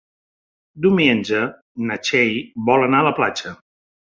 Diumenge na Txell vol anar a la platja.